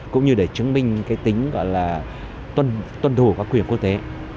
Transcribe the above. cũng như để chứng minh cái tính gọi là tuân thủ các quyền quốc tế